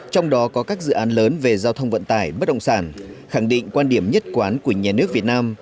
trong đó có các dự án lớn về giao thông vận tải bất động sản khẳng định quan điểm nhất quán của nhà nước việt nam